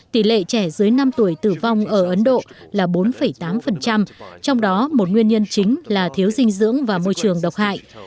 tỷ lệ trẻ dưới năm tuổi tử vong ở ấn độ là bốn tám trong đó một nguyên nhân chính là thiếu dinh dưỡng và môi trường độc hại